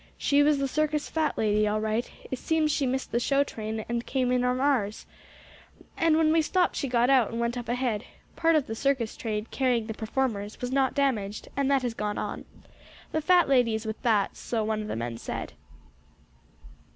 "She was the circus fat lady all right. It seems she missed the showtrain, and came on in ours. And, when we stopped she got out, and went up ahead. Part of the circus train, carrying the performers, was not damaged and that has gone on. The fat lady is with that, so one of the men said."